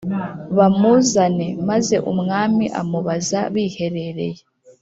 Bamuzane maze umwami amubaza biherereye